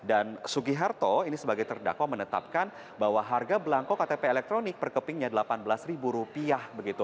dan sugiharto ini sebagai terdakwa menetapkan bahwa harga belangkok ktp elektronik perkepingnya delapan belas ribu rupiah